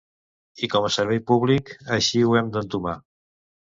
I com a servei públic, així ho hem d’entomar.